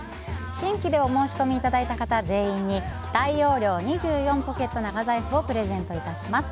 新規でお申し込みいただいた方全員に大容量２４ポケット長財布をプレゼントいたします。